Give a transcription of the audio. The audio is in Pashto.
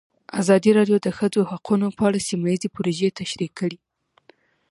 ازادي راډیو د د ښځو حقونه په اړه سیمه ییزې پروژې تشریح کړې.